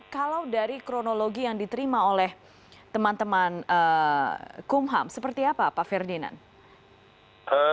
kalau dari kronologi yang diterima oleh teman teman kumham seperti apa pak ferdinand